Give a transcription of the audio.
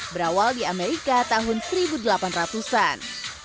berawal di amerika tahun seribu delapan ratus an